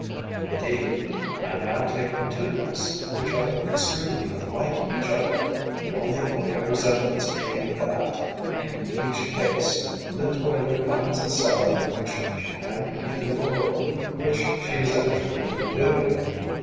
Indeed, I now take two nests which are extremely unlike each other, the only point of resemblance being that, in each case, the toiler finds a cell in which she can continue the work which she is actually doing.